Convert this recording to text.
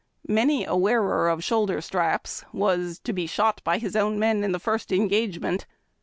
Many a wearer of shoulder straps was to be shot by his own men in the first en gagement.